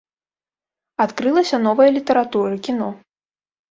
Адкрылася новая літаратура, кіно.